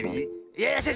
いやいや！